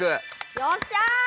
よっしゃ。